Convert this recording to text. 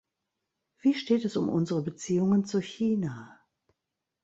Wie steht es um unsere Beziehungen zu China?